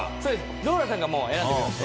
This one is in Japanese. ローラさんが選んでくれました。